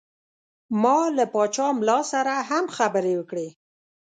ما له پاچا ملا سره هم خبرې وکړې.